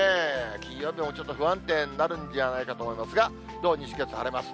金曜日もちょっと不安定になるんじゃないかと思いますが、土、日、月、晴れます。